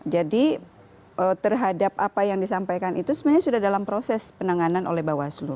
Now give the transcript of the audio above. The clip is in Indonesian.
jadi terhadap apa yang disampaikan itu sebenarnya sudah dalam proses penanganan oleh bawaslu